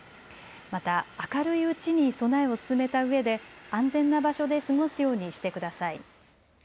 また明るいうちに備えを進めたうえで安全な場所で過ごすようにしてください。